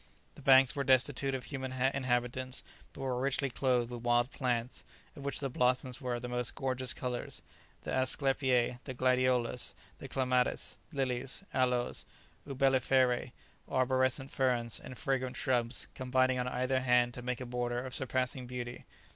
The banks were destitute of human inhabitants, but were richly clothed with wild plants, of which the blossoms were of the most gorgeous colours; the asclepiae, the gladiolus, the clematis, lilies, aloes, umbelliferae, arborescent ferns and fragrant shrubs, combining on either hand to make a border of surpassing beauty.